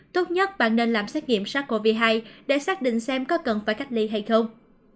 tốt nhất bạn nên làm xét nghiệm sars cov hai để xác định xem có cần phải cách ly hay không